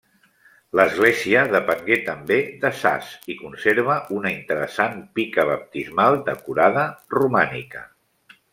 L'església depengué també de Sas i conserva una interessant pica baptismal decorada, romànica.